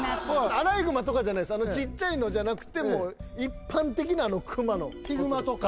アライグマとかじゃないですちっちゃいのじゃなくてもう一般的なクマのヒグマとか？